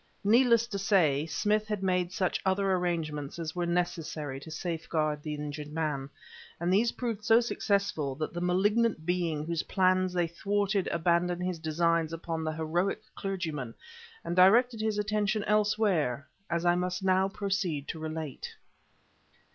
Needless to say, Smith had made such other arrangements as were necessary to safeguard the injured man, and these proved so successful that the malignant being whose plans they thwarted abandoned his designs upon the heroic clergyman and directed his attention elsewhere, as I must now proceed to relate.